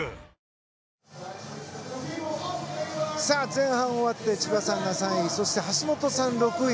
前半終わって千葉さんが３位そして橋本さん、６位。